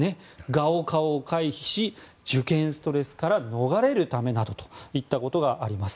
ガオカオを回避し受験ストレスから逃れるためなどといったことがあります。